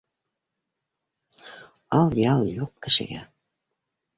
Ал-ял юҡ кешегә